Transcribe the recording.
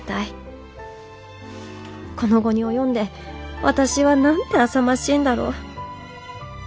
この期に及んで私はなんてあさましいんだろう